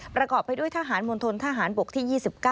ประกอบไปด้วยทหารมณฑนทหารบกที่๒๙